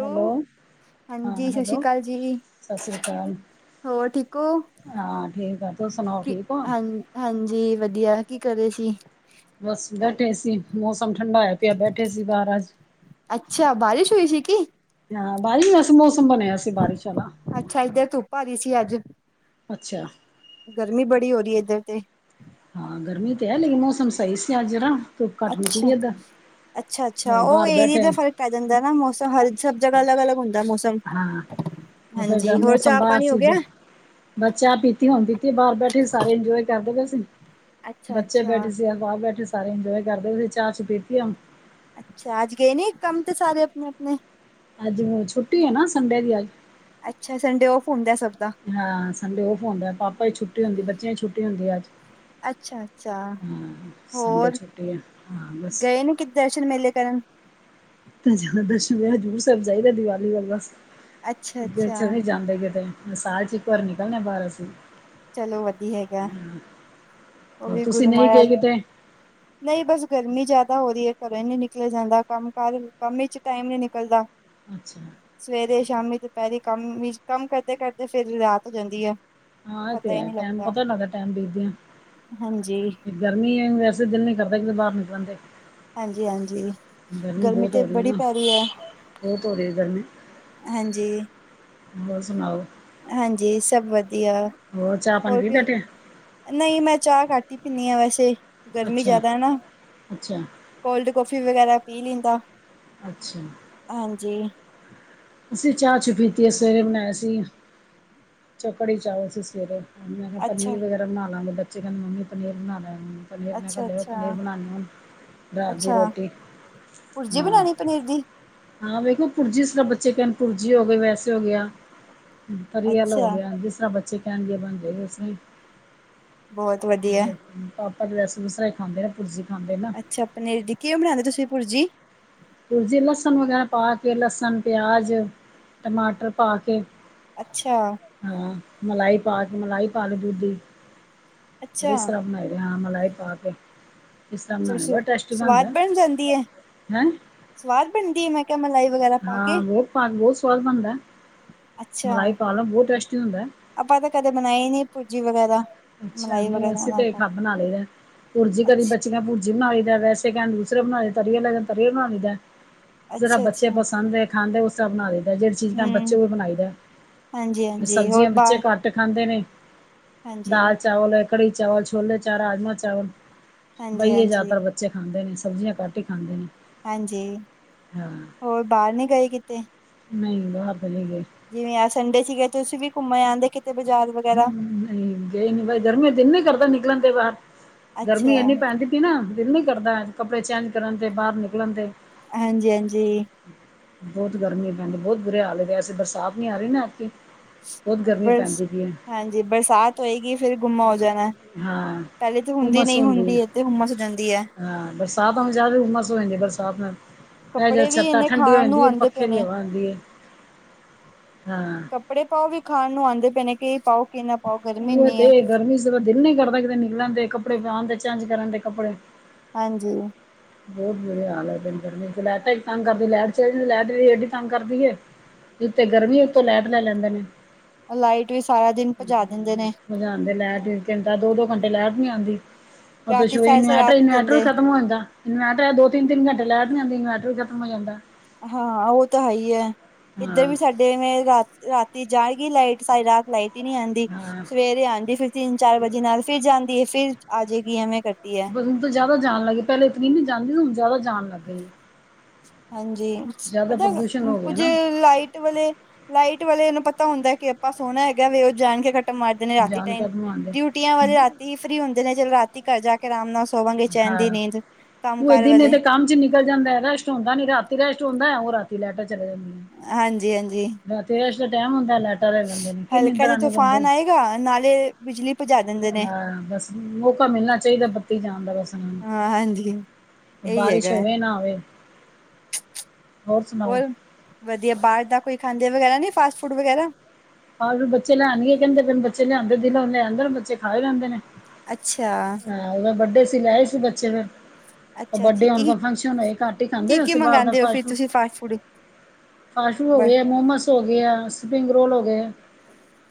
Hello ਹਾਂ ਹਾਂਜੀ ਸਤਿ ਸ਼੍ਰੀ ਹੈਲੋ ਅਕਾਲ ਜੀ ਸਤਿ ਸ੍ਰੀ ਅਕਾਲ ਹੋਰ ਠੀਕ ਹੋ ਹਾਂ ਠੀਕ ਆ ਤਸੀ ਸੁਣਾਓ ਕੀ ਠੀਕ ਹੋ ਹਾਂ ਹਾਂਜੀ ਵਧੀਆ ਕੀ ਕਰ ਰਹੇ ਸੀ। ਬਸ ਬੈਠੇ ਸੀ, ਮੌਸਮ ਠੰਡਾ ਹੋਇਆ ਪਿਆ ਬੈਠੇ ਸੀ ਬਾਹਰ ਅੱਜ ਅੱਛਾ ਬਾਰਿਸ਼ ਹੋਈ ਸੀ ਕੀ ਹਾਂ ਬਾਰਿਸ਼ ਅਸ ਮੌਸਮ ਬਣਿਆ ਸੀ ਬਾਰਿਸ਼ ਵਾਲਾ ਅੱਛਾ ਇੱਧਰ ਧੁੱਪਾ ਆ ਗਈ ਸੀ ਅੱਜ ਅੱਛਾ ਗਰਮੀ ਬੜੀ ਹੋ ਰਹੀ ਹੈ ਇਧਰ ਤੇ, ਹਾਂ ਗਰਮੀ ਤੇ ਹੈ ਲੇਕਨ ਮੌਸਮ ਸਹੀ ਸੀ ਅੱਜ ਨਾ ਧੁੱਪ ਘੱਟ ਅੱਛਾ ਨਿਕਲੀ ਏਦਾਂ ਅੱਛਾ ਅੱਛਾ, ਉਹ ਬਾਹਰ ਏਰੀਏ ਬੈਠੇ ਦਾ ਫਰਕ ਪੈ ਜਾਂਦਾ ਨਾ ਮੌਸਮ ਹਰ ਜਗ੍ਹਾ ਅਲੱਗ ਅਲੱਗ ਹੁੰਦਾ ਮੌਸਮ ਹਾਂ ਉਹ ਫਿਰ ਜਰਾ ਹਾਂਜੀ ਹੋਰ ਮੌਸਮ ਚਾਹ ਬਾਹਰ ਪਾਣੀ ਹੋ ਸੀ ਗਿਆ ਫਿਰ ਬਸ ਚਾਹ ਪੀਤੀ ਹੋਣ ਦਿੱਤੀ ਬਾਹਰ ਬੈਠੇ ਸਾਰੇ ਇੰਜੋਏ ਕਰਦੇ ਪਏ ਸੀ। ਅੱਛਾ ਬੱਚੇ ਅੱਛਾ ਬੈਠੇ ਸੀ ਬਾਹਰ ਬੈਠੇ ਸਾਰੇ ਇੰਜੋਏ ਕਰਦੇ ਸੀ ਚਾਹ ਚੂ ਪੀਤੀ ਹੁਣ। ਅੱਛਾ ਅੱਜ ਗਏ ਨਹੀਂ ਕੰਮ ਤੇ ਸਾਰੇ ਆਪਣੇ ਆਪਣੇ ਅੱਜ ਛੁੱਟੀ ਹੈ ਨਾ ਸੰਡੇ ਦੀ ਅੱਜ ਅੱਛਾ ਸੰਡੇ ਔਫ ਹੁੰਦਾ ਸਭ ਦਾ ਹਾਂ ਸੰਡੇ ਓਫ ਹੁੰਦਾ ਪਾਪਾ ਛੁੱਟੀ ਹੁੰਦੀ ਬੱਚਿਆਂ ਦੀ ਛੁੱਟੀ ਹੁੰਦੀ ਹੈ ਅੱਜ ਅੱਛਾ ਅੱਛਾ ਹਾਂ ਸੰਡੇ ਹੋਰ ਛੁੱਟੀ ਆ ਹਾਂ ਬਸ ਗਏ ਨੇ ਕਿ ਦਰਸ਼ਨ ਮੇਲੇ ਕਰਨ ਤੇ ਜਦਾ ਦਰਸ਼ਨ ਵਿ ਹਜ਼ੂਰ ਸਾਹਿਬ ਜਾਦਾ ਦੀਵਾਲੀ ਵੱਲ ਬਸ ਅੱਛਾ ਤੇ ਅੱਛਾ ਚਲੇ ਜਾਂਦੇ ਕਿਤੇ ਮਸਾਜ ਇੱਕ ਵਰ ਨਿਕਲਣੇ ਬਾਰਾਂ ਸੌ ਚਲੋ ਵਧੀਆ ਹੈਗਾ। ਉਹ ਹੋਰ ਵੀ ਤੁਸੀਂ ਗੁਰੂ ਨਹੀਂ ਮਾਇਆ ਗਏ ਕਿਤੇ ਨਹੀਂ ਬਸ ਗਰਮੀ ਜ਼ਿਆਦਾ ਹੋ ਰਹੀ ਹੈ ਘਰੋਂ ਹੀ ਨੀ ਨਿਕਲ ਜਾਂਦਾ ਕੰਮ ਕਾਰ ਕੰਮ ਚ ਟਾਈਮ ਨੀ ਨਿਕਲਦਾ ਅੱਛਾ ਸਵੇਰੇ ਸ਼ਾਮੀ ਦੁਪਹਿਰੀ ਕੰਮ ਵੀ ਕੰਮ ਕਰਦੇ ਕਰਦੇ ਫਿਰ ਰਾਤ ਹੋ ਜਾਂਦੀ ਹੈ। ਹਾਂ ਇਹ ਪਤਾ ਹੀ ਤੇ ਨਹੀਂ ਟੈਮ ਪਤਾ ਲੱਗਦਾ ਟਮ ਦੇਖਦੇ ਆ। ਹਾਂਜੀ ਗਰਮੀ ਵੈਸੇ ਦਿਲ ਨੀ ਕਰਦਾ ਕਿਤੇ ਬਾਹਰ ਨਿਕਲਉਂਦੇ, ਹਾਂਜੀ ਹਾਂਜੀ ਗਰਮੀ ਬਹੁਤ ਤੇ ਹੋ ਹੈ ਬੜੀ ਨਾ ਪੈ ਰਹੀ ਹੈ। ਬਹੁਤ ਹੋ ਰਹੀ ਹੈ ਗਰਮੀ ਹਾਂਜੀ। ਹੋਰ ਸੁਣਾਓ? ਹਾਂਜੀ ਸਭ ਵਧੀਆ। ਹੋਰ ਚਾ ਪਾਨ ਵੀਹ ਬੈਠੇ? ਨਹੀਂ ਮੈਂ ਚਾਹ ਘਾਟ ਹੀ ਪੀਂਨੀ ਆਂ ਵੈਸੇ, ਗਰਮੀ ਅੱਛਾ ਜਿਆਦਾ ਐ ਨਾ। ਅੱਛਾ ਕੋਲਡ ਕੌਫੀ ਵਗੈਰਾ ਪੀ ਲੈਂਦਾ ਅੱਛਾ ਹਾਂਜੀ। ਅਸੀਂ ਚਾਹ ਛੁ ਪੀਤੀ ਹੈ ਸਵੇਰੇ ਬਣਾਇਆ ਸੀ, ਚ ਕੜੀ ਚਾਵਲ ਸੀ ਸਵੇਰੇ। ਮੈਂ ਕਿਹਾ ਅੱਛਾ ਪਨੀਰ ਵਗੈਰਾ ਬਣਾ ਲਾਂਗੇ ਬੱਚੇ ਕੈਨ ਮੰਮੀ ਪਨੀਰ ਬਣਾ ਲੈ। ਪਨੀਰ ਅੱਛਾ ਇਕੱਲੇ ਅੱਛਾ ਪਨੀਰ ਬਣਾਦੇ ਹਣ ਦਰਤ ਦੀ ਅੱਛਾ ਰੋਟੀ [unintelligible] ਭੁਰਜੀ ਹਾਂ ਬਨਾਣੀ ਪਨੀਰ ਦੀ? ਹਾਂ ਵੇਖੋ ਪੁਰਜੀ ਸ ਬੱਚੇ ਕਹਿਨ ਪੁਰਜੀ ਹੋ ਗਏ ਵੈਸੇ ਹੋ ਗਿਆ‌। ਪਰਅਲ ਹੋ ਅੱਛਾ ਗਿਆ ਜਿਸ ਤਰਾ ਬੱਚੇ ਕਹਿਨਗੇ ਦੀਏ ਬਣਦੇ ਉਸੇ ਬਹੁਤ ਵਧੀਆ ਿਲ ਪਾਪਾ ਰੈਸ ਵਸਰਾਈ ਖਾਂਦੇ ਨੇ ਪੁਰਜੀ ਖਾਂਦੇ ਨੇ [unintelligible] ਅੱਛਾ ਪਨੀਰ ਦੀ ਕਿਂਵੇਂ ਬਣਾਂਦੇ ਤੁਸੀਂ ਭੁਰਜੀ? ਪੁਰਜੀੇ ਲਸਨ ਵਗੈਰਾ ਪਾ ਕੇ ਲਸਨ, ਪਿਆਜ, ਟਮਾਟਰ ਪਾ ਕੇ ਅੱਛਾ ਹਾਂ, ਮਲਾਈ ਪਾ ਕੇ ਮਲਾਈ ਪਾ ਲੋ ਦੂਧ ਦੀ, ਅੱਛਾ ਇਸ ਤਰ੍ਹਾਂ ਬਨਾਏ ਤੇ ਹਾਂ ਮਲਾਈ ਪਾ ਕੇ, ਇਸ ਤਰ੍ਹਾਂ ਚਲ ਬਣਾਣੀ ਸ ਬੋਤ ਟੇਸਟੀ ਸਵਾਦ ਬਣਦੈ। ਬਣ ਜਾਂਦੀ ਹੈ ਹੈਂ ਸਵਾਦ ਬਨਦੀ ਏ, ਮੈਂ ਕਿਹਾ ਮਲਾਈ ਵਗੈਰਾ ਪਾ ਕੇ ਹਾਂ ਬਹੁਤ ਪਾ ਕੇ ਬਹੁਤ ਸਵਾਦ ਬਨਦੈ, ਅੱਛਾ ਮਲਾਈ ਪਾ ਲਓ ਬਹੁਤ ਟੇਸਟੀ ਹੁੰਦੈ ਆਪਾਂ ਤਾਂ ਕਦੇ ਬਨਾਈ ਨਈਂ ਭੂਰਜੀ ਵਗੈਰਾ ਅੱਛਾ ਮਲਾਈ ਨਹੀਂ ਵਗੈਰਾ ਅਸੀਂ ਨਾਲ ਤੇ ਪਾ ਖੱ ਕੇ ਬਨਾ ਲਈ ਦਾ ਭੁਰਜੀ ਕਦੀ ਅੱਛਾ ਬੱਚੀਆਂ ਪ ਬਣਾ ਲਈ ਦਾ ਵੈਸੇ ਕਹਿਣ ਦੂਸਰੇ ਬਣਾ ਤਰੀ ਆਲੲ ਕੈਹਨ ਤਰੀ ਬਣਾ ਲਈ ਦਾ ਜੇਰਾ ਅੱਛਾ ਬੱਚੇ ਅੱਛਾ ਪਸੰਦ ਹੈ [unintelligible] ਖਾਂਦੇ ਉਸਰਾਂ ਬਨਾ ਲਈਦੈ ਜਿਹੜੀ ਚੀਜ਼ ਮੈਂ ਬੱਚੇ ਹਮ ਬਨਾਈਦੈ, ਹਾਂਜੀ ਹਾਂਜੀ ਹੋਰ ਸਬਜ਼ੀਆਂ ਬੱਚੇ ਬਾਹਰ ਘੱਟ ਟ ਖਾਂਦੇ ਨੇ ਹਾਂਜੀ ਦਾਲ ਚਾਵਲ ਐ ਕੜੀ ਚਾਵਲ, ਛੋਲੇ ਚਾਵਲ, ਰਾਜਮਾਂ ਚਾਵਲ, ਹਾਂਜੀ ਬਈਏ ਜ਼ਿਆਦਾ ਹਾਂਜੀ ਤਰ ਬੱਚੇ ਖਾਂਦੇ ਨੇ ਸਬਜ਼ੀਆਂ ਘੱਟ ਹੀ ਖਾਂਦੇ ਨੇ ਹਾਂਜੀ, ਹਾਂ ਹੋਰ ਬਾਰ ਨੀ ਗਏ ਕਿਤੇ? ਨਹੀਂ ਬਾਹਰ ਤੇ ਨਹੀ ਗਈ। ਜਿਵੇਂ ਆ ਸੰਡੇ ਸੀਗੇ ਤੁਸੀ ਵੀ ਘੁੰਮਣ ਆਂਦੇ ਕੇ ਤੇ ਬਾਜ਼ਾਰ ਵਗੈਰਾ ਹਮ ਨਹੀਂ ਗਏ ਨੀ ਬਾਈ ਗਰਮੀ ਦਿਲ ਨੀ ਕਰਦਾ ਨਿਕਲਨ ਦੇ ਬਾਹਰ, ਗਰਮੀ ਅੱਛਾ ਇੰਨੀ ਪੈਂਦੀ ਨਾ ਦਿਲ ਨਹੀਂ ਕਰਦਾ ਕੱਪੜੇ ਚੇਂਜ ਕਰਨ ਤੇ ਬਾਹਰ ਨਿਕਲਣ ਤੇ ਹੈਂਜੀ-ਹੈਂਜੀ ਬਹੁਤ ਗਰਮੀ ਪੈਂਦੀ ਬਹੁਤ ਬੁਰੇ ਹਾਲ ਐਸੇ ਬਰਸਾਤ ਨੀ ਆ ਰਹੀ ਨਾ ਇੱਥੇ ਬਰ, ਹਾਂਜੀ ਬਰਸਾਤ ਹੋਏਗੀ ਫਿਰ ਗੁੰਮਾ ਹੋ ਜਾਨੈ ਹਾਂ ਪਹਿਲੇ ਤਾਂ ਹੁੰਦੀ ਨਹੀਂ ਹੁੰਦੀ ਹੈ ਤੇ ਹੁੰਮਾ ਸ ਜਾਂਦੀ ਹੈ ਹਾਂ ਬਰਸਾਤ ਹ ਜ਼ਿਆਦਾ ਉਮਸ ਹੋਜਾਂਦੀ ਬਰਸਾਤ ਨਾਲ [unintelligible] ਇਹ ਜ ਕੱਪੜੇ ਵੀ ਛੱਤਾ ਇੰਨੇ ਠੰਡੀ ਹੋ ਖਾਣ ਨੂੰ ਜਾਂਦੀ ਏ ਆਉਂਦੇ ਪਏ ਪੱਖੇ ਦੀ ਨੇ ਹਵਾ ਆਂਦੀ ਏ, ਹਾਂ ਕੱਪੜੇ ਪਾਓ ਵੀ ਖਾਣ ਨੂੰ ਆਂਦੇ ਪਏ ਨੇ, ਕਿ ਇਹ ਪਾਓ ਕਿ ਨਾ ਪਾਓ ਗਰਮੀ ਉਹ ਇੰਨੀ ਤੇ ਹੈ ਗਰਮੀ ਚ ਦਿਲ ਨ ਕਰਦਾ ਕਿਤੇ ਨਿਕਲਣ ਦੇ ਕੱਪੜੇ ਪਾਣ ਦੇ ਚੇਂਜ ਕਰਨ ਦੇ ਕੱਪੜੇ ਹਾਂਜੀ। ਬਹੁਤ ਬੁੁਰੇ ਹਾਲ ਹੈ ਬਈ ਗਰਮੀ ਦੇ ਲੈਟਾ ਇੱਕ ਤੰਗ ਕਰਦੀ ਲੈ ਲੈਟ ਵੀ ਏਡੀ ਤੰਗ ਕਰਦੀ ਏ, ਜਿਥੇ ਗਰਮੀ ਉਤੋਂ ਲੈਟ ਲੈ ਲੈਂਦੇ ਨੇ ਲਾਈਟ ਤੇ ਸਾਰਾ ਦਿਨ ਭਜਾ ਦਿੰਦੇ ਨੇ ਜਦੇ ਲੈਟ ਤਿੰ ਦੋ-ਦੋ ਘੰਟੇ ਲੈਟ ਨੀ ਆਂਦੀ ਉਹ ਰਾਤੀ ਦਸ਼ਮੇ ਸਾਰੀ ਸਾਰੀ ਇਨਵੈਟਰ ਰਾਤ ਨੀ ਇਨਵੈਟਰ ਵੀ ਦਿੰਦੇ ਖ਼ਤਮ ਹੋ ਜਾਂਦਾ ਇਨਵੈਟਰ ਦੋ ਤਿੰਨ ਤਿੰਨ ਘੰਟੇ ਲੈਟ ਨਹੀਂ ਆਂਦੀ ਇਨਵਟਰ ਵੀ ਖਤਮ ਹੋ ਜਾਂਦਾ ਹਾਂ ਉਹ ਤਾਂ ਹੈ ਹੀ ਹੈ ਇੱਧਰ ਹਾਂ ਵੀ ਸਾਡੇ ਵੇਂ ਰਾ ਰਾਤੀ ਜਾਏਗੀ ਲਾਈਟ ਸਾਰੀ ਰਾਤ ਲਾਈਟ ਹੀ ਨਹੀਂ ਆਉਂਦੀ ਹਾਂ ਸਵੇਰੇ ਆਉਂਦੀ ਫਿਰ ਤਿੰਨ ਚਾਰ ਵਜੇ ਨਾਲ ਫਿਰ ਜਾਂਦੀ ਹੈ ਫਿਰ ਆ ਜੇਗੀ ਐਵੇਂ ਕਰਦੀ ਹੈ ਹੁਨ ਤੇ ਜ਼ਿਆਦਾ ਜਾਨ ਲੱਗੀ ਪਹਿਲੇ ਇਤਨੀ ਨੀ ਜਾਂਦੀ ਹੁਨ ਜ਼ਿਆਦਾ ਜਾਨ ਹਾਂਜੀ, ਜ਼ਿਆਦਾ ਪਤੈ, ਪ੍ਰਦੂਸ਼ਣ ਹੋ ਗਿਆ ਕੁੱਝ ਨਾ ਲਾਈਟ ਵਾਲੇ ਲਾਈਟ ਵਾਲੇ ਨੂੰ ਪਤਾ ਹੁੰਦਾ ਕਿ ਆਪਾਂ ਸੋਹਣਾ ਹੈਗਾ ਵੀ ਉਹ ਜਾਣ ਕੇ ਕੱਟ ਮਾਰਦੇ ਨੇ ਰਾਤੀ ਜਾਨ ਟਾਈਮ ਕਦਮ ਆਉਂਦੇ ਡਿਊਟੀਆਂ ਵਾਲੇ ਰਾਤੀ ਹੀ ਫ੍ਰਰੀ ਹੁੰਦੇ ਨੇ ਚਲੋ ਰਾਤੀ ਘਰ ਜਾ ਕੇ ਆਰਾਮ ਨਾਲ ਸੋ ਸੋਵਾਂਗੇ ਚੈਨ ਦੀ ਹਾਂ ਨੀਂਦ ਕੰਮ ਕਾਰ ਵਾਲੇ ਚਲ ਜਾਂਦਾ ਰੈਸ਼ਟ ਹੁੰਦਾ ਨੀ ਰਾਤੀ ਰੈਸ਼ਟ ਹੁੰਦਾ ਉਹ ਰਾਤੀ ਲੈਟ ਚਲੇ ਜਾਂਦੀ ਹਾਂਜੀ ਹਾਂਜੀ ਸਵੇਰ ਦੇ ਟਾਈਮ ਹੁੰਦਾ ਲਾਈਟਾਂ ਰਿਹੰਦੇ ਨੇ ਕੀ ਨੀਦਰ ਆਣੇ ਬੰਦੇ ਨੂਂ ਹਾ ਨਾਲੇ ਬਿਜਲੀ ਭਜਾ ਦਿੰਦੇ ਨੇ ਹਾਂ ਬਸ ਮੌਕਾ ਮਿਲਣਾ ਚਾਹੀਦਾ ਬੱਤੀ ਜਾਣ ਦਾ ਬਸ ਹਾਂ ਹਾਂਜੀ ਹ ਇਹੀ ਹੈਗਾ ਬਾਰਿਸ਼ ਹੈ। ਹੋਵੇ ਨਾ ਹੋਵੇ ਹੋਰ ਸੁਣਾਓ ਵਧੀਆ ਬਾਹਰ ਦਾ ਕੋਈ ਖਾਂਦੇ ਵਗੈਰਾ ਨੀ ਫਾਸਟ ਫੂਡ ਵਗੈਰਾ ਹਾਂ ਬੱਚੇ ਲਿਆਉਣਣਏ ਕਹਿੰਦੇਨ ਬੱਚੇ ਲਿਆਂਦੇ ਦਿਲ ਲਿਆਦੇ ਬੱਚੇ ਖਾ ਹੀ ਲੈਂਦੇ ਨੇ ਅੱਛਾ ਹਾਂ ਓ ਬਡੇ ਸੀ ਲੈਏ ਸੀ ਬੱਚੇ ਫਿਰ ਉਹ ਅੱਛਾ ਬਡੇ ਜੀ ਹੋਣ ਕੀ ਫੰਕਸ਼ਨ ਹੋਏ ਘੱਟ ਹੀ ਕੀ ਖਾਂਦੇ ਕੀ ਅਸੀ ਬਾਹਰ ਦਾ ਮੰਗਵਾਉਂਦੇ ਹੋ ਫਾਸਟ ਫਿਰ ਫੂਡ ਤੁਸੀਂ ਫਾਸਟ ਫੂਡ ਫਾਸਟ ਫੂਡ ਹੋ ਬ ਗਏ ਮੋਮੋਸ ਹੋ ਗਏ ਆ ਸਪਰਿੰਗ ਰੋਲ ਹੋ ਗਏ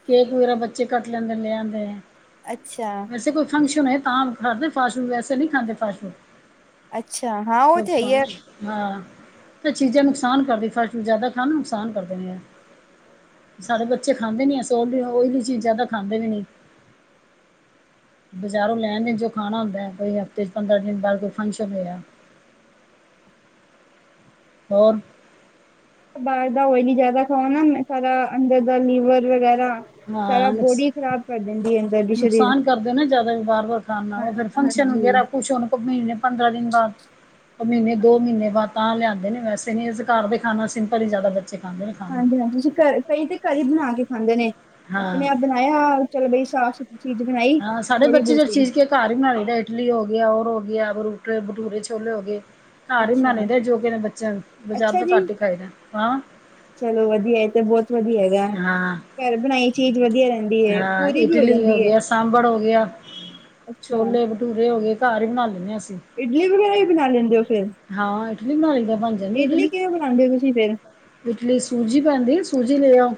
ਕੇਕ ਵਗੈਰਾ ਬੱਚੇ ਕੱਟ ਲੈਂਦੇ ਲਿਆ ਆਦੇ ਅੱਛਾ ਵੈਸੇ ਕੋਈ ਫੰਕਸ਼ਨ ਹੈ ਤਾਂ ਖਾਦੇ ਫਾਸਟ ਫੂਡ ਵੈਸੇ ਨਹੀਂ ਖਾਂਦੇ ਫਾਸਟ ਫੂਡ ਅੱਛਾ ਹਾਂ ਉਹ ਤੇ ਹੈ ਹੀ ਹੈ ਹਾਂ ਤੇ ਚੀਜ਼ਾਂ ਨੁਕਸਾਨ ਕਰਦੀ ਫ ਫੂਟ ਜ਼ਿਆਦਾ ਖਾਣ ਨੂੰ ਨੁਕਸਾਨ ਕਰਦੇ ਨੇ ਸਾਡੇ ਬੱਚੇ ਖਾਂਦੇ ਨੀ ਅ ਸਲੀ ਆਇਲੀ ਚੀਜ਼ਾਂ ਤਾਂ ਖਾਂਦੇ ਵੀ ਨੀ ਬਜ਼ਾਰੋਂ ਲੈਣਦੇ ਜੋ ਖਾਣਾ ਹੁੰਦਾ ਕੋਈ ਹਫ਼ਤੇ ਚ ਪੰਦਰਾਂ ਦਿਨ ਬਾਅਦ ਕੋਈ ਫੰਕਸ਼ਨ ਹੋਇਆ ਹੋਰ ਬਾਹਰ ਦਾ ਆਇਲੀ ਜਿਆਦਾ ਖਾਉ ਨਾ ਮੈਂ ਸਾਰਾ ਅੰਦਰ ਦਾ ਲੀਵਰ ਵਗੈਰਾ ਸਾਰਾ ਹਾਂ ਨੁਕਸ ਬੋਡੀ ਖਰਾਬ ਕਰ ਦਿੰਦੀ ਹੈ ਅੰਦਰ ਦੀ ਸਰੀਰ। ਨੁਕਸਾਨ ਕਰਦੇ ਨਾ ਜ਼ਿਆਦਾ ਵੀ ਬਾਹਰ ਵਾਰ ਖਾਣ ਹਾਂ ਨਾਲੋਂ ਫਿਰ ਫੰਕਸ਼ਨ ਹਾਂਜੀ ਵਗੈਰਾ ਕੁਛ ਹੋਣ ਤਭੀ ਨੇ ਪੰਦਰਾਂ ਦਿਨ ਬਾਅਦ ਉਹ ਮਹੀਨੇ ਦੋ ਮਹੀਨੇ ਬਾਅਦ ਤਾਂ ਲਿਆਿਆਂਦੇ ਨੇ ਵੈਸੇ ਨਹੀਂ ਘਰ ਦੇ ਖਾਣਾ ਸਿੰਪਲ ਹੀ ਜ਼ਿਆਦਾ ਬ ਖਾਂਦੇ ਨੇ ਖਾਣਾ ਹਾਂਜੀ ਹਾਂਜੀ ਤੁਸੀਂ ਘ ਕਈ ਤੇ ਘਰ ਹੀ ਬਣਾ ਕੇ ਖਾਂਦੇ ਨੇ ਹਾਂ ਆਪਣੇ ਆਪ ਬਣਾਇਆ ਚਲੌ ਬਈ ਸਾਫ਼ ਸੁਥਰੀ ਚੀਜ਼ ਬਣਾਈ ਥੋੜ੍ਹੀ ਬਹੁਤਈ ਘਰ ਹੀ ਬਣਾਉ ਲਈ ਦਾ ਇਟਲੀ ਹੋ ਗਿਆ ਹੋਰ ਹੋ ਗੁਟਰੇ ਬਟੂਰੇ ਛੋਲੇ ਹੋ ਗਏ ਘਰ ਹੀ ਬਨਾ ਲ ਅੱਛਾ ਦੇ ਜੋ ਕਿ ਬੱਚਿਆਂ ਬਜ਼ਾਰ ਅੱਛਾ ਤੋਂ ਜੀ ਘੱਟ ਹੀ ਖਾਈਦਾ ਚਲੋ ਵਧੀਆ ਏ ਤੇ ਬਹੁਤ ਵਧੀਆ ਹੈ ਘਰ ਬਣਾਈ ਚੀਜ਼ ਵਧੀਆ ਰਹਿੰਦੀ ਹੈ ਪੂਰੀ ਵੀ ਹੋ ਜਾਂਦੀ ਹੈ ਅੱਛਾ ਛੋਲੇ ਭਟੂਰੇ ਹੋ ਗਏ ਘਰ ਹੀ ਬਣਾ ਲੈਂਦੇ ਹਾਂ ਅਸੀਂ ਇਡਲੀ ਵਗੈਰਾ ਹੀ ਬਣਾ ਲੈਂਦੇ ਹੋ ਫੇਿਰ ਹਾਂ ਇਡਲੀ ਬਣਾ ਲਈ ਦਾ ਇਡਲੀ ਕਿਵੇਂ ਬਣਾਉਂਦੇ ਹੋ ਤੁਸੀਂ ਫੇਰ ਇਡਲੀ ਸੂਜੀ ਪੈਂਦੀ ਸੂਜੀ ਲੈ ਆਓ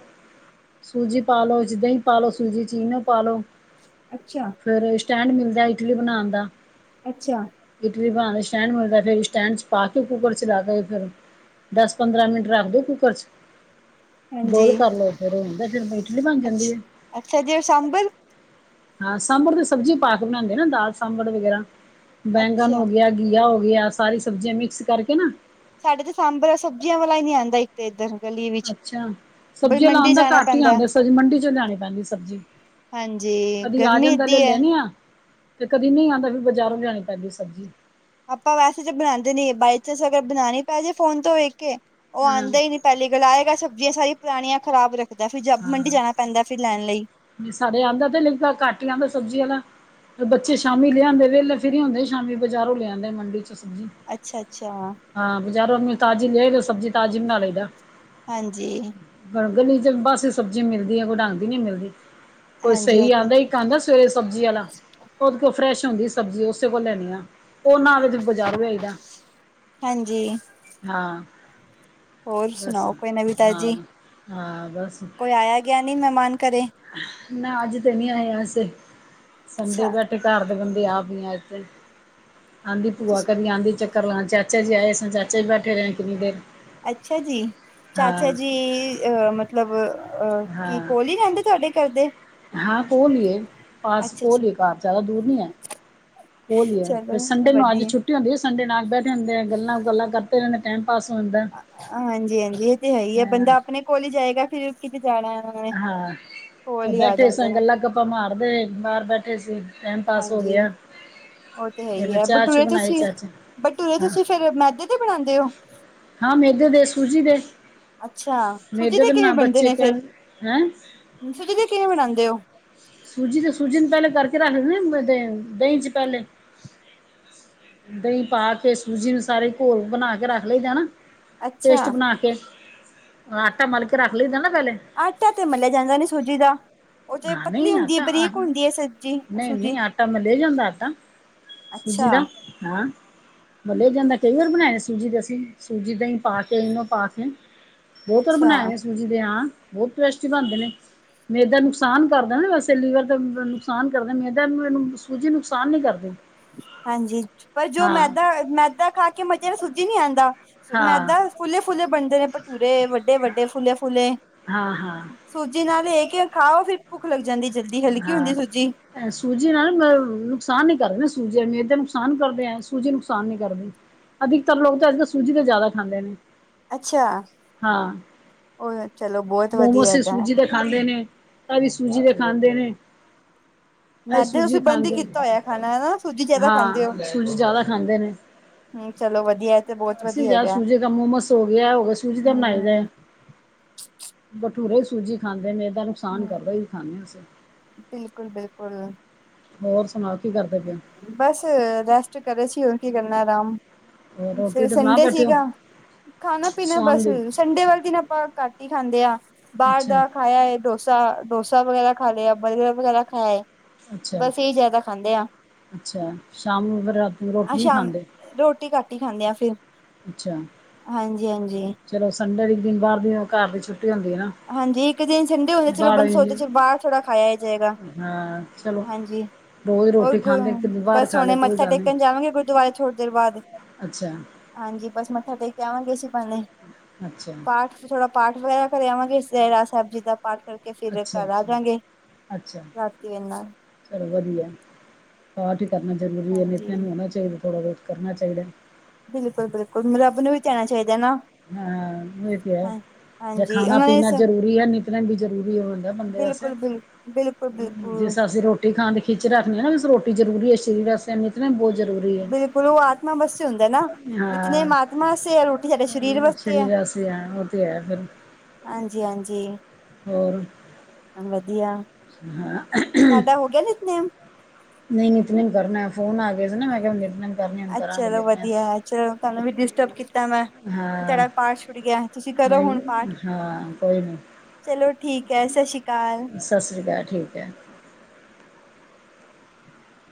ਸੂਜੀ ਪਾ ਲੋ ਦਹੀਂ ਪਾ ਲੋ ਸੂਜੀ ਚੀਨਿ ਪਾ ਲੋ ਅੱਛਾ ਫਿਰ ਸਟੈਂਡ ਮਿਲਦਾ ਇਟਲੀ ਬਣਾਉਣ ਦਾ ਅੱਛਾ ਇਟਲੀ ਬਣਾ ਸਟੈਂਡ ਮਿਲਦਾ ਫਿਰ ਸਟੈਂਡ ਚ ਪਾ ਕੇ ਕੁੂੱਕਰ ਚਲਾ ਕੇ ਫਿਰ ਦਸ ਪੰਦਰਾਂ ਮਿੰਟ ਰੱਖਦੇ ਕੂੱਕਰ ਚ ਹਾਂਜੀ ਚਲੋ ਫਿਰ ਉਹਦਾ ਫਿਰ ਮ ਇਟਲੀ ਬਣ ਜਾਂਦੀ ਆ ਅੱਛਾ ਅੱਛਾ ਜੇ ਸਾਂਬਰ ਹਾਂ ਸਾਂਬੜ ਦੀ ਸਬਜ਼ੀ ਪਾ ਕੇ ਬਣਾਉਂਦੇ ਨਾ ਦਾਲ ਸਾਂਬੜ ਵਗੈਰਾ ਬੈਗਨ ਹੋ ਅੱਛਾ ਗਿਆ ਘੀਆ ਹੋ ਗਿਆ ਸਾਰੀ ਸਬਜ਼ੀਆਂ ਮਿਕਸ ਕਰਕੇ ਨਾ ਸਾਡੇ ਤੇ ਸਾਂਬਰ ਸਬਜ਼ੀਆਂ ਵਾਲਾ ਨੀ ਆਉਂਦਾ ਤੇ ਇੱਧਰ ਗਲੀ ਵਿੱਚ ਅੱਛਾ ਬਈ ਸਬਜ਼ੀਆਂ ਮੰਡੀ ਲਾਉਣਦਾ ਜਾਣਾ ਘੱਟ ਹੀ ਪੈਂਦਾ ਆਉਂਦਾ ਸ ਮੰਡੀ ਚ ਲੈਣੀ ਪੈਂਦੀ ਸਬਜ਼ੀ ਹਾਂਜੀ ਕਦੀ ਆ ਗਰਮੀ ਜਾਂਣਦਾ ਲੈ ਏਦੀ ਹੈ ਲੈਣੇ ਆ ਤੇ ਕਦੀ ਨਹੀਂ ਆਉਂਦਾ ਫਿਰ ਬਾਜ਼ਾਰੋਂ ਲਿਆਣੀ ਪੈਂਦੀ ਸਬਜ਼ੀ ਆਪਾਂ ਵੈਸੇ ਚ ਬਣਾਉਂਦੇ ਨੀ ਬਾਈ ਚਾਂਸ ਅਗਰ ਬਣਾਉਣੀ ਪੈ ਜੇ ਫੋਨ ਤੋਂ ਵੇਖ ਕੇ ਉਹ ਹਾਂ ਆਉਂਦਾ ਹੀ ਨੀ ਪਹਿਲੇ ਗੱਲ ਆਏਗਾ ਸਬਜ਼ੀਆਂ ਸਾਰੀ ਪੁਰਾਣੀਆਂ ਖਰਾਬ ਰੱਖਦਾ ਫਿਰ ਜ ਮੰਡੀ ਜਾਣਾ ਪੈਂਦਾ ਫਿਰ ਲੈਣ ਲਈ ਨਹੀਂ ਸਾਡੇ ਆਉਂਦਾ ਤੇ ਲਦਾ ਘੱਟ ਹੀ ਆਂਦਾ ਸਬਜ਼ੀਆਂ ਦਾ ਬੱਚੇ ਸ਼ਾਮੀ ਲਿਆਂਦੇ ਵੇਲੇ ਫਰੀ ਹੁੰਦੇ ਸ਼ਾਮੀ ਬਜਾਰੌ ਲਿਆਂਦੇ ਮੰਡੀ ਚੋਂ ਸਬਜ਼ੀ ਅੱਛਾ ਅੱਛਾ ਹਾਂ ਬਾਜ਼ਾਰੋਂਨੂੰ ਤਾਜ਼ੀ ਲੈ ਲਓ ਸਬਜੀ ਤਾਜ਼ੀ ਮਨਾ ਲਈਦਾ ਹਾਂਜੀ ਬਣ ਗਲੀ ਚ ਬਸ ਸਬਜ਼ੀ ਮਿਲਦੀ ਹੈ ਕੋਈ ਡਾਂਗਦੀ ਨੀ ਮਿਲਦੀ। ਕੋਈ ਹਾਂਜੀ ਉਹ ਸਹੀ ਤੇ ਆਉਂਦਾ ਇਕ ਆਉਂਦਾ ਸਵੇਰੇ ਸਬਜ਼ੀ ਵਾਲਾ। ਉਹਦੇ ਕੋਲ ਫਰੈਸ਼ ਹੁੰਦੀ ਸਬਜ਼ੀ ਉਸੇ ਕੋਲ ਲੈਣੀ ਆ ਉਹ ਨਾ ਦੇ। ਬਜ਼ਾਰੋਂ ਲਾਈਦਾ ਹਾਂਜੀ ਹਾਂ। ਹੋਰ ਬਸ ਸੁਣਾਓ ਕੋਈ ਨਵੀਂ ਤਾਜੀ ਹਾਂ-ਹਾਂ ਬੱਸ। ਕੋਈ ਆਇਆ ਗਿਆ ਨਹੀਂ ਮਹਿਮਾਨ ਘਰੇ। ਨਾ ਅੱਜ ਤੇ ਨਹੀਂ ਆਇਆ ਸੀ ਅੱਛਾ ਸੰਡੇ ਬੈਠੇ। ਘਰ ਦੇ ਬੰਦੇ ਆਪ ਹੀ ਆ ਇੱਥੇ ਆਂਦੀ ਭੂਆ ਕਰੀ ਆਉਂਦੀ ਚੱਕ। ਕਰ ਲ ਚਾਚਾ ਜੀ ਆਏ ਸ ਚਾਚਾ ਜੀ ਬੈਠੇ ਰਹੇ ਕਿੰਨੀ ਦੇਰ। ਅੱਛਾ ਜੀ ਚਾਚਾ ਜੀ ਅਹ ਮਤਲਬ ਅਹ ਕੀ ਕੋਲ ਹੀ ਰਹਿੰਦੇ ਤੁਹਾਡੇ। ਕਰਦੇ। ਹਾਂ ਕੋਲੀਏ ਪਾਸ ਕੋਲੀਏ ਘਰ ਜ਼ਿਆਦਾ ਦੂਰ ਨਹੀਂ ਹੈ। ਕੋਲ ਹੀ ਹੈ ਚਲੋ ਫਿਰ ਸੰਡੇ ਨੂੰ ਅੱਜ ਵਧੀਆ। ਛੁੱਟੀ ਹੁੰਦੀ ਹੈ ਸੰਡੇ ਨਾਲ ਬੈਠੇ ਹੁੰਦੇ ਆ ਗੱਲਾਂ ਗੁੱਲਾਂ ਕਰਦੇ ਰਹਿੰਦੇ ਟਾਈਮ। ਪਾਸ ਹੁੰਦਾ। ਹਾਂਜੀ-ਹਾਂਜੀ ਇਹ ਤੇ ਹੈ ਹੀ ਹੈ ਹਾਂ, ਬੰਦਾ ਆਪਣੇ ਕੋਲ ਹੀ ਜਾਏਗਾ ਫਿਰ ਕਿਤੇ ਜਾਣਾ ਆਣਾ। ਹਾਂ ਬੈਠੇ ਸ ਨੇ ਗੱਲਾਂ ਗੱਪਾਂ ਮਾਰਦੇ ਬਾਹਰ ਬੈਠੇ ਸੀ। ਟਾਈਮ ਪਾਸ ਹੋ ਹਾਂਜੀ ਗਿਆ। ਉਹ ਤੇ ਹੈ ਹੀ ਫਿਰ ਹੈ ਚਾਹ ਬਟੂਰੇ ਚੂ ਬਣਾਈ ਤੁਸੀਂ ਚਾਚਾ ਬਟੂਰੇ ਹਾਂ ਤੁਸੀਂ ਫਿਰ ਮੈਦੇ ਤੇ ਬਣਾਉਂਦੇ ਹੋ। ਹਾਂ ਮੇਦੇ ਦੇ ਸੂਜੀ ਦੇ ਅੱਛਾ ਸੂਜੀ ਮੇਦੇ ਦੇ ਕਿਵੇਂ ਬਨਾਣ ਬਣਦੇ ਬੱਚੇ ਨੇ ਫੇਰ? ਕਹਿਣ। ਹੈਂ। ਸੂਜੀ ਤੇ ਕਿਵੇਂ ਬਣਾਉਂਦੇ ਹੋ। ਸੂਜੀ ਤੇ ਸੂਜੀ ਨੂੰ ਪਹਿਲੇ ਕਰਕੇ ਰੱਖ ਦੇਦੇੈਂ ਦਹੀਂ ਚ ਪਹਿਲੇ। ਦਹੀਂ ਪਾ ਕੇ ਸੂਜੀ ਨੂੰ ਸਾਰੇ ਘੋਲ ਬਣਾ ਕੇ ਰੱਖ ਲਈ ਦਾ ਨਾਂ। ਪੇਸਟ ਅੱਛਾ ਬਣਾ ਕੇ ਆਟਾ ਮਲਕੇ ਰੱਖ ਲਈ ਨਾ ਪਹਿਲੇ। ਆਟਾ ਤੇ ਮੰਨਿਆ ਜਾਂਦਾ ਨੀ ਸੂਜੀ ਦਾ। ਉਹ ਤੇ ਹਾਂ ਪਤਲੀ ਨਹੀਂ ਹੁੰਦੀ ਹੈ ਆਟਾ ਆ ਬਰੀਕ ਹੁੰਦੀ ਹੈ ਸੱਜੀ ਸੂਜੀ ਨਹੀਂ-ਨਹੀਂ ਆਟਾ ਮਲਿਆ ਜਾਂਦਾ ਆਟਾ। ਸੂਜੀ ਦਾ ਅੱਛਾ-ਅੱਛਾ। ਹਾਂ। ਵਲਿਆ ਜਾਂਦਾ ਕਈ ਵਾਰ ਬਣਾਇਆ ਸੂਜੀ ਦੇ ਅਸੀਂ ਸੂਜੀ ਦਹੀ ਪਾ ਇਨੋ ਪਾ ਕੇ। ਬਹੁਤ ਵਾਰ ਬਣਾਏ ਨੇ ਸੂਜੀ ਦੇ ਹਾਂ ਬਹੁਤ ਟੇਸਟੀ ਬਣਦੇ ਨੇ ਮੈਦਾ ਨੁਕਸ। ਨੁਕਸਾਨ ਕਰਦਾ ਨਾਂ ਵੈਸੇ ਲੀਵਰ ਦਾ ਨੁਕਸਾਨ ਕਰਦੇ ਮੈਦਾ। ਸੂਜੀ ਨੁਕਸਾਨ ਨੀਂ ਕਰਦੀ। ਹਾਂਜੀ, ਪਰ ਜੋ ਹਾਂ ਮੈਦਾ, ਮੈਦਾ ਖਾ ਕੇ ਮਜ਼ੇ ਸੂਜੀ ਨਈਂ ਆਂਦਾ ਹਾਂ ਮੈਦਾ। ਫੁਲੇ-ਫੁਲੇ ਬਣਦੇ ਨੇਂ ਭਠੂਰੇ ਵੱਡੇ-ਵੱਡੇ ਫੁਲੇ-ਫੁਲੇ। ਹਾਂ, ਹਾਂ। ਸੂਜੀ ਨਾਲ ਏ ਕੇ ਖਾਓ, ਫਿਰ ਭੁੱਖ ਲੱਗ ਜਾਂਦੀ ਜਲਦੀ ਹਲਕੀ ਹੁੰਦੀ ਸੂਜੀ। ਹਾਂ ਸੂਜੀ ਨਾਲ ਨੁਕਸਾਨ ਈ ਕਰਦੇ ਸੂਜੀ ਮੈਦੇ ਦੇ ਨੁਕਸਾਨ ਕਰਦੇ ਐ, ਸੂਜੀ ਨੁਕਸਾਨ ਨੀਂ ਕਰਦੀ। ਅਧਿਕਤਰ ਲੋਕ ਤਾਂ ਇਸ ਸੂਜੀ ਤੇ ਜ਼ਿਆਦਾ ਖਾਂਦੇ ਨੇ। ਅੱਛਾ ਹਾਂ ਉਹ ਚਲੋ ਬਹੁਤ ਵਧੀਆ ਮੋਮੋਸ ਹੈਗਾ। ਸੂਜੀ ਦੇ ਖਾਂਦੇ ਨੇ ਕਦੀ ਸੂਜੀ ਦੇ ਖਾਂਦੇ ਨੇ। ਅ ਮੈਦੇ ਸੂਜੀ ਤੁਸੀਂ ਬੰਦ ਹੀ ਖਾਂਦੇ, ਕੀਤਾ ਹੋਇਆ ਖਾਣਾ ਹਨਾ ਸੂਜੀ ਜ਼ਿਆਦਾ ਖਾਂਦੇ ਹੋ। ਹਾਂ, ਸੂਜੀ ਜਿਆਦਾ ਖਾਂਦੇ ਨੇਂ। ਹੂੰ ਚਲੋ ਵਧੀਆ ਏ ਤੇ ਬਹੁਤ ਅਸੀਂ ਵਧੀਆ ਯਾਰ ਹੈਗਾ ਸੂਜੀ ਦਾ ਮੋਮਸ ਹੋ ਗਿਆ ਏ ਹੋ ਗਿਆ ਸੂਜੀ ਦਾ ਬਣਾਈ ਦੇ। [inaudible] ਬੱਠੂਰੇ ਸੂਜੀ ਖਾਂਦੇ ਨੇਂ, ਮੈਦਾ ਨੁਕਸਾਨ ਕਰਦੇ ਇਹੀ ਖਾਂਦੇ ਹਾਂ ਅਸੀਂ। ਬਿਲਕੁਲ, ਬਿਲਕੁਲ। ਹੋਰ ਸੁਣਾਓ ਕੀ ਕਰਦੇ ਪਏ। ਬਸ ਰੈਸਟ ਕਰੇ ਸੀ ਹੋਰ ਕੀ ਕਰਨਾ ਆਰਾਮ, ਹੋਰ ਰੋਟੀ ਫਿਰ ਰੂਟੀ ਬਣਾ ਸੰਡੇ ਬੈਠੇ ਹੋ ਸੀਗਾ। ਖਾਣਾ ਪੀਣਾ ਸ਼ਾਮ ਬਸ ਦੀ ਸੰਡੇ ਵਾਲੇ ਦਿਨ ਆਪਾਂ ਘੱਟ ਹੀ ਖਾਂਦੇ ਆਂ ਬਾਹਰ ਅੱਛਾ ਦਾ ਖਾ ਆਏ ਡੋਸ ਡੋਸਾ, ਡੋਸਾ ਵਗੈਰਾ ਖਾ ਲਿਆ, ਬਰਗਰ ਵਗੈਰਾ ਖਾ ਆਏ, ਅੱਛਾ ਬਸ ਇਹ ਜ਼ਿਆਦਾ ਖਾਂਦੇ ਆਂ। ਅੱਛਾ, ਸ਼ਾਮ ਨੂੰ ਫਿਰ ਰਾ ਅਹ ਸ਼ਾਮ ਰੋਟੀ ਘੱਟ ਹੀ ਖਾਂਦੇ ਆ ਫਿਰ। ਅੱਛਾ ਹਾਂਜੀ ਹਾਂਜੀ ਚਲੋ, ਸੰਡੇ ਦਿਨ ਦੀ ਬਾਹਰ ਦੀ, ਘਰ ਦੀ ਛੁ ਹਾਂਜੀ ਇੱਕ ਦਿਨ ਸੰਡੇ ਹੋਇਆ ਚਲੋ ਅ ਬਾਹਰ ਬੰਦ ਸੋਚਦੇ ਵੀ- ਬਾਹਰ ਥੋੜਾ ਖਾਇਆ ਹੀ ਜਾਏਗਾ। ਹਾਂ ਚਲੋ ਹਾਂਜੀ ਰੋਜ਼ ਹੋਰ ਰੋਟੀ ਗ ਖਾਂਦੇ ਇੱਕ ਦਿਨ ਬਾਹਰ ਬਸ ਖਾ ਲਏ ਹੁਣੇ ਕੋਈ ਮੱਥਾ ਗੱਲ ਨਹੀਂ ਟੇਕਣ ਜਾਵਾਂਗੇ ਗੁਰਦ ਦਵਾਏ ਥੋੜ੍ਹੀ ਦੇਰ ਬਾਅਦ ਅੱਛਾ ਹਾਂਜੀ, ਬਸ ਮੱਥਾ ਟੇਕ ਆਵਾਂਗੇ ਅਸੀਂ ਬਾਣੇ ਅੱਛਾ ਪਾਠ ਥੋੜਾ ਪਾਠ ਵਗੈਰਾ ਕਰਿਆਵਾਂਗੇ ਰਹਿਰਾਸ ਸਾਹਿਬ ਜੀ ਦਾ ਪਾਠ ਕਰਕੇ ਫਿਰ ਅੱਛਾ ਘਰ ਆ ਅੱਛਾ ਜਾਂਗੇ, ਅੱਛਾ ਰਾਤੀ ਦੇ ਨਾਲ ਚਲੋ ਵਧੀਆ ਪਾਠ ਕਰਨਾ ਜ਼ਰੂਰੀ ਏ, ਨਿੱਤਨੇਮ ਹਾਂਜੀ ਨੂੰ ਹੋਣਾ ਚਾਈਦਾ ਥੋੜਾ-ਬਹੁਤ ਕਰਨਾ ਚਾਈਦਾ ਬਿਲਕੁਲ, ਬਿਲਕੁਲ ਰੱਬ ਨੂੰ ਵੀ ਧੀਆਇਣਾ ਚਾਈਦਾ ਨਾਂ ਹਾਂ ਇਹ ਤੇ ਹੈ। ਜੇ ਹਾਂਜੀ ਖਾਣਾ ਉਹਨਾਂ ਨੇ ਪੀਣਾ ਜ਼ਰੂਰੀ ਏ, ਨਿਤਨੇਮ ਵੀ ਜਰੂਰੀ ਹੋ ਜਾਂਦਾ ਬੰਦੇ ਵਾਸਤੇ ਬਿਲਕੁਲ ਬਿਲ ਬਿਲਕੁਲ-ਬਿਲਕੁਲ ਜਿਸ ਰਾਂ ਅਸੀਂ ਰੋਟੀ ਖਾਣ ਖਿੱਚ ਰੱਖਣੇ ਆਂ ਨਾਂ, ਰੋਟੀ ਜਰੂਰੀ ਏ ਸ਼ਰੀਰ ਵਸਤੇ ਬਿਲਕੁਲ ਉਹ ਆ ਆਪਣੇ ਵਾਸਤੇ ਹੁੰਦਾ ਨਾਂ ਨਿਤਨੇਮ ਹਾਂ ਆਤਮਾ ਵਾਸਤੇ ਆ, ਰੋਟੀ ਸਾਡੇ ਸਰੀਰ ਵਾਸਤੇ ਆ। ਸਰੀਰ ਆਸੇ ਹੈ ਉਹ ਤੇ ਹੈ ਫਿਰ ਹਾਂਜੀ, ਹਾਂਜੀ। ਹੋਰ ਵਧੀਆ ਹਾਂ ਤੁਹਾਡਾ ਹੋ ਗਿਆ ਨਿਤਨੇਮ ਨਹੀਂ ਨਿੱਤਨੇਮ ਕਰਨਾ, ਫੋਨ ਆ ਗਏ ਸੀ ਨਾਂ ਮੈਂ ਕਿਹਾ ਕਰਨੀ ਹੁਣ ਅੱ ਕਰਾਂਗੇ ਚਲੋ ਵਧੀਆ ਨਿਤਨੇਮ ਚਲੋ ਤੁਹਾਨੂੰ ਵੀ ਡਿਸਟਰਬ ਕੀਤਾ ਮੈਂ ਹਾਂ ਤੁਆਡਾ ਪਾਠ ਛੁੱਡ ਗਿਆ, ਤੁਸੀਂ ਕਰੋ ਹੁਣ ਪਾਠ। ਨਹੀਂ ਹਾਂ ਕੋਈ ਨਹੀਂ ਚਲੋ ਠੀਕ ਐ, ਸਤਿ ਸ਼੍ਰੀ ਅਕਾਲ। ਸਤਿ ਸ਼੍ਰੀ ਅਕਾਲ, ਠੀਕ ਐ।